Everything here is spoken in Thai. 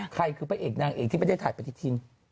ใครคือพระเอกนางเอกที่ไม่ได้ถ่ายปฏิทิน